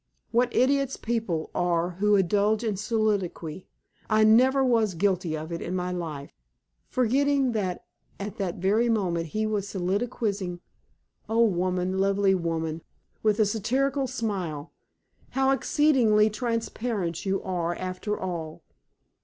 What idiots people are who indulge in soliloquy! I never was guilty of it in my life" forgetting that at that very moment he was soliloquizing. "Oh, woman, lovely woman," with a satirical smile, "how exceedingly transparent you are after all!"